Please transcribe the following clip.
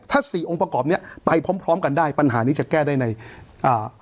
ถ้าสี่องค์ประกอบเนี้ยไปพร้อมพร้อมกันได้ปัญหานี้จะแก้ได้ในอ่า